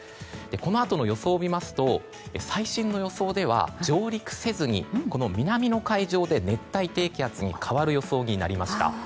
このあとの予想を見ますと最新の予想では上陸せずに南の海上で熱帯低気圧に変わる予想になりました。